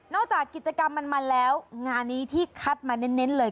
จากกิจกรรมมันมาแล้วงานนี้ที่คัดมาเน้นเลย